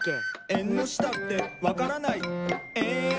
「えんのしたってわからないえん」